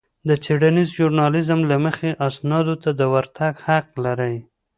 د څېړنيز ژورنالېزم له مخې اسنادو ته د ورتګ حق لرئ.